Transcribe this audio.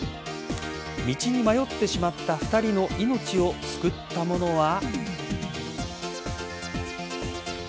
道に迷ってしまった２人の命を救ったものは。